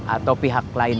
atau pihak lain